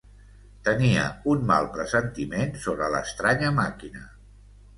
Tenia un mal pressentiment sobre l'estranya màquina.